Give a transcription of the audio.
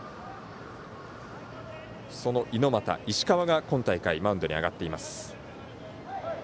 その猪俣、石川が今大会マウンドに上がっています。